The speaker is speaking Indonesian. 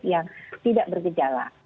yang tidak bergejala